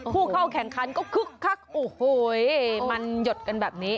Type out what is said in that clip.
ผู้เข้าแข่งขันก็คึกคักโอ้โหมันหยดกันแบบนี้